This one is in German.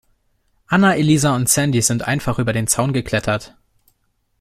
Anna-Elisa und Sandy sind einfach über den Zaun geklettert.